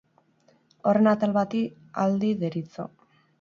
Horren atal bati aldi deritzo.